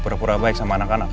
pura pura baik sama anak anak